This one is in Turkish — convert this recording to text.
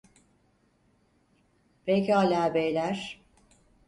Pekala beyler.